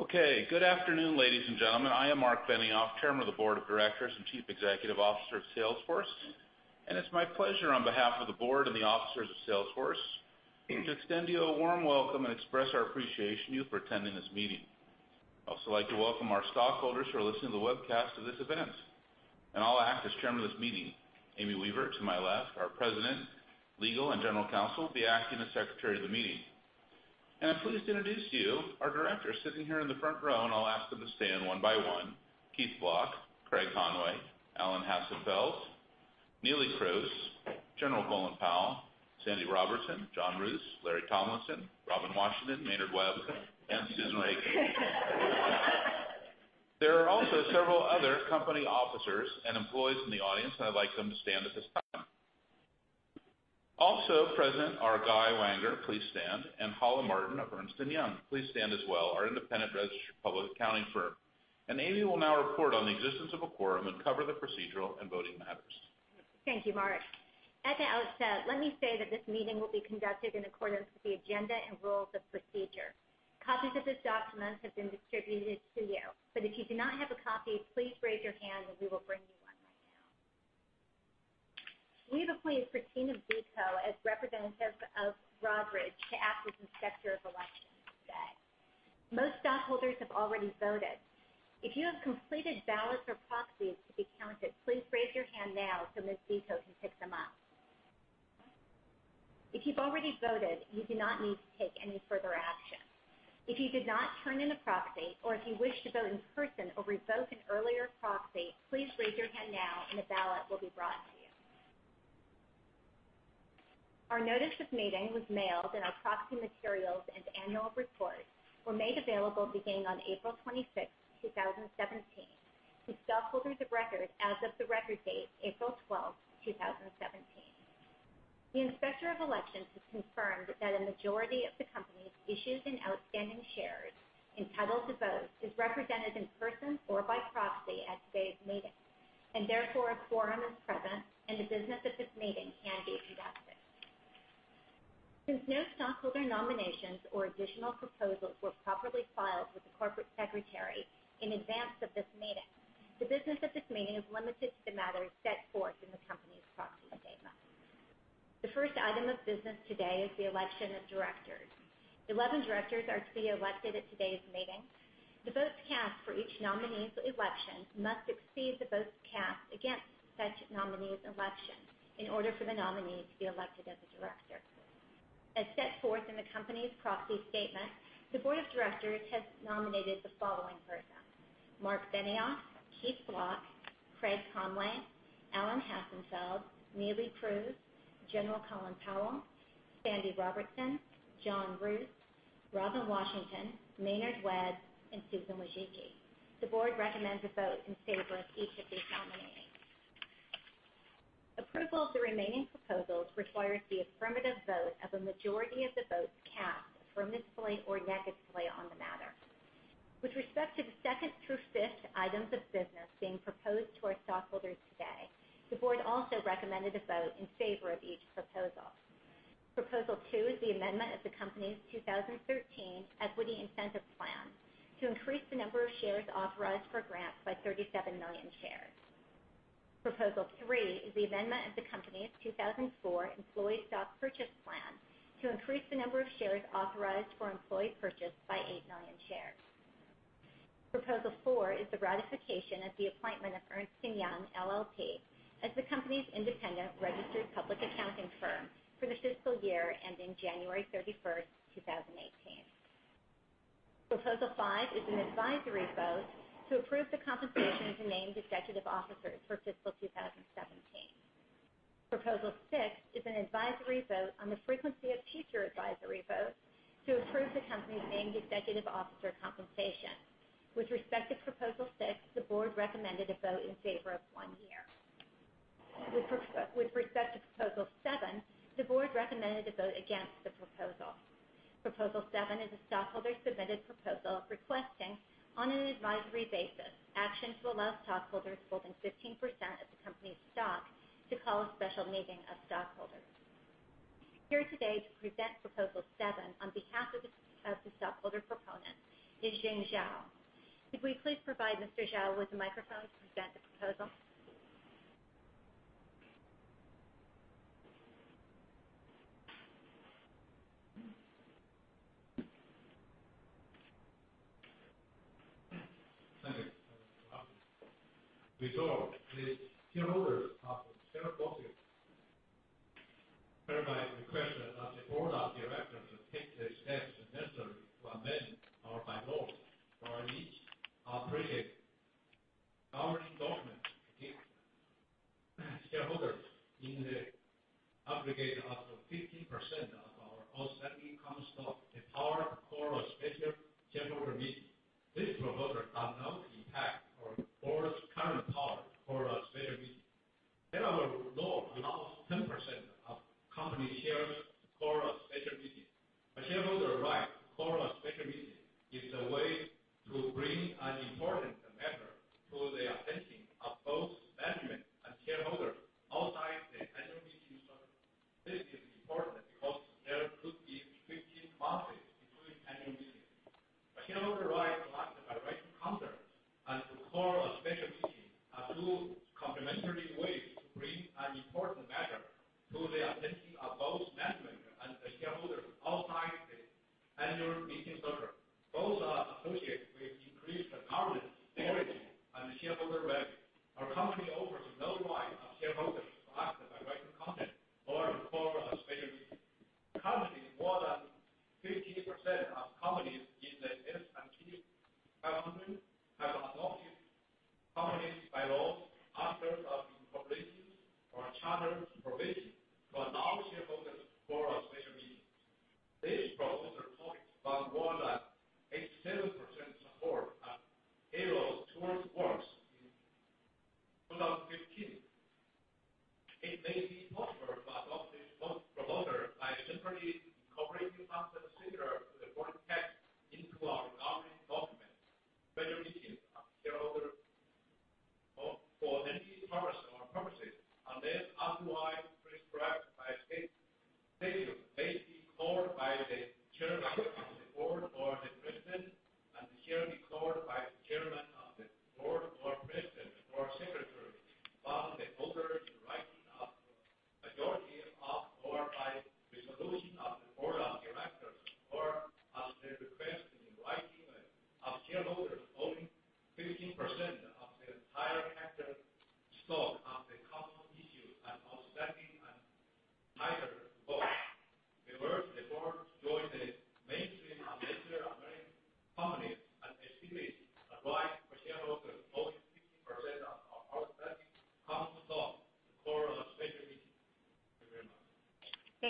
Okay. Good afternoon, ladies and gentlemen. I am Marc Benioff, Chairman of the Board of Directors and Chief Executive Officer of Salesforce, and it's my pleasure on behalf of the board and the officers of Salesforce to extend you a warm welcome and express our appreciation to you for attending this meeting. I'd also like to welcome our stockholders who are listening to the webcast of this event. I'll act as chairman of this meeting. Amy Weaver, to my left, our President, Legal, and General Counsel, will be acting as Secretary of the meeting. I'm pleased to introduce to you our directors sitting here in the front row, and I'll ask them to stand one by one. Keith Block, Craig Conway, Alan Hassenfeld, Neelie Kroes, General Colin Powell, Sandy Robertson, John Roos, Larry Tomlinson, Robin Washington, Maynard Webb, and Susan Wojcicki. There are also several other company officers and employees in the audience. I'd like them to stand at this time. Also present are Guy Wagner, please stand, and Paula Martin of Ernst & Young. Please stand as well, our independent registered public accounting firm. Amy will now report on the existence of a quorum and cover the procedural and voting matters. Thank you, Marc. At the outset, let me say that this meeting will be conducted in accordance with the agenda and rules of procedure. Copies of this document have been distributed to you, but if you do not have a copy, please raise your hand and we will bring you one right now. We have appointed [Pratima Deto] as representative of Broadridge to act as Inspector of Elections today. Most stockholders have already voted. If you have completed ballots or proxies to be counted, please raise your hand now so Ms. [Deto] can pick them up. If you've already voted, you do not need to take any further action. If you did not turn in a proxy, or if you wish to vote in person or revoke an earlier proxy, please raise your hand now and a ballot will be brought to you. Our notice of meeting was mailed and our proxy materials and annual report were made available beginning on April 26th, 2017, to stockholders of record as of the record date April 12th, 2017. The Inspector of Elections has confirmed that a majority of the company's issues and outstanding shares entitled to vote is represented in person or by proxy at today's meeting, and therefore, a quorum is present, and the business of this meeting can be conducted. Since no stockholder nominations or additional proposals were properly filed with the corporate secretary in advance of this meeting, the business of this meeting is limited to the matters set forth in the company's proxy statement. The first item of business today is the election of directors. 11 directors are to be elected at today's meeting. The votes cast for each nominee's election must exceed the votes cast against such nominee's election in order for the nominee to be elected as a director. As set forth in the company's proxy statement, the board of directors has nominated the following persons: Marc Benioff, Keith Block, Craig Conway, Alan Hassenfeld, Neelie Kroes, General Colin Powell, Sanford Robertson, John Roos, Robin Washington, Maynard Webb, and Susan Wojcicki. The board recommends a vote in favor of each of these nominees. Approval of the remaining proposals requires the affirmative vote of a majority of the votes cast, affirmatively or negatively, on the matter. With respect to the second through fifth items of business being proposed to our stockholders today, the board also recommended a vote in favor of each proposal. Proposal two is the amendment of the company's 2013 Equity Incentive Plan to increase the number of shares authorized for grants by 37 million shares. Proposal three is the amendment of the company's 2004 Employee Stock Purchase Plan to increase the number of shares authorized for employee purchase by 8 million shares. Proposal four is the ratification of the appointment of Ernst & Young LLP as the company's independent registered public accounting firm for the fiscal year ending January 31st, 2018. Proposal five is an advisory vote to approve the compensation of the named executive officers for fiscal 2017. Proposal six is an advisory vote on the frequency of future advisory votes to approve the company's named executive officer compensation. With respect to Proposal six, the board recommended a vote in favor of one year. With respect to Proposal seven, the board recommended a vote against the proposal. Proposal seven is a stockholder-submitted proposal requesting, on an advisory basis, action to allow stockholders holding 15% of the company's stock to call a special meeting of stockholders. Here today to present Proposal seven on behalf of the stockholder proponent is Jing Zhao. Could we please provide Mr. Zhao with a microphone to present the proposal? Thank you. We go with shareholders of Salesforce. Hereby request that the board of directors will take the steps necessary to amend our bylaws for each operating governing document to give shareholders in the aggregate up to 15% of our outstanding common stock the power to call a special shareholder meeting. This proposal does not impact our board's current power to call a special meeting. Delaware law allows 10% of company shares to call a special meeting. This is the way to bring an important matter to the attention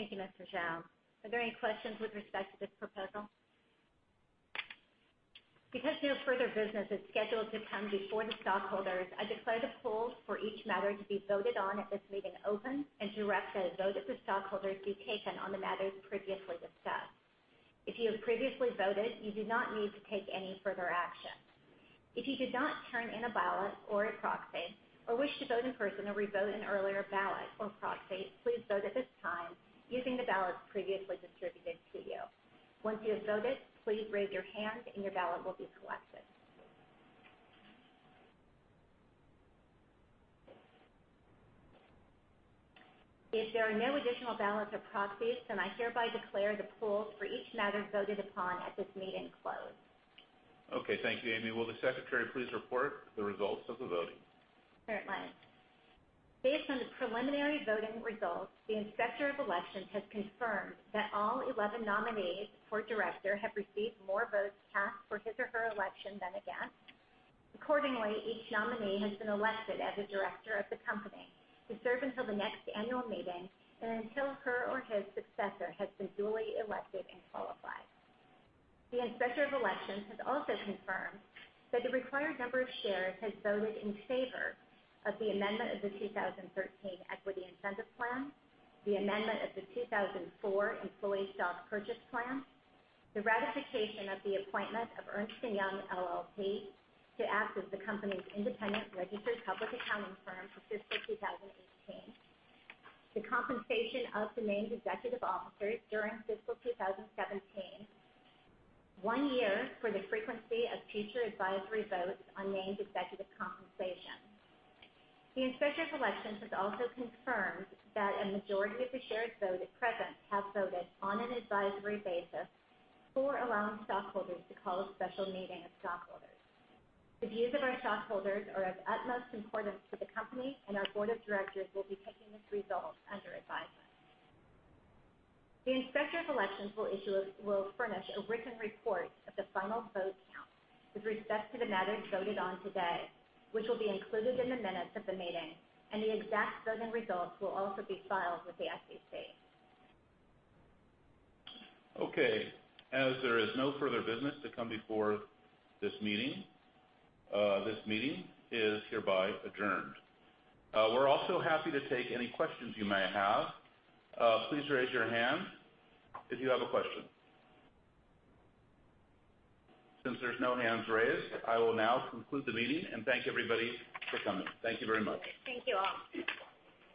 Thank you very much. Thank you, Mr. Zhao. Are there any questions with respect to this proposal? Because no further business is scheduled to come before the stockholders, I declare the polls for each matter to be voted on at this meeting open and direct that a vote of the stockholders be taken on the matters previously discussed. If you have previously voted, you do not need to take any further action. If you did not turn in a ballot or a proxy, or wish to vote in person or revote an earlier ballot or proxy, please vote at this time using the ballots previously distributed to you. Once you have voted, please raise your hand and your ballot will be collected. If there are no additional ballots or proxies, I hereby declare the polls for each matter voted upon at this meeting closed. Okay. Thank you, Amy. Will the Secretary please report the results of the voting? Certainly. Based on the preliminary voting results, the Inspector of Elections has confirmed that all 11 nominees for director have received more votes cast for his or her election than against. Accordingly, each nominee has been elected as a director of the company to serve until the next annual meeting and until her or his successor has been duly elected and qualified. The Inspector of Elections has also confirmed that the required number of shares has voted in favor of the amendment of the 2013 Equity Incentive Plan, the amendment of the 2004 Employee Stock Purchase Plan, the ratification of the appointment of Ernst & Young LLP to act as the company's independent registered public accounting firm for fiscal 2018, the compensation of the named executive officers during fiscal 2017, one year for the frequency of future advisory votes on named executive compensation. The Inspector of Elections has also confirmed that a majority of the shares voted present have voted on an advisory basis for allowing stockholders to call a special meeting of stockholders. The views of our stockholders are of utmost importance to the company. Our board of directors will be taking this result under advisement. The Inspector of Elections will furnish a written report of the final vote count with respect to the matters voted on today, which will be included in the minutes of the meeting. The exact voting results will also be filed with the SEC. Okay. As there is no further business to come before this meeting, this meeting is hereby adjourned. We're also happy to take any questions you may have. Please raise your hand if you have a question. Since there's no hands raised, I will now conclude the meeting and thank everybody for coming. Thank you very much. Thank you all.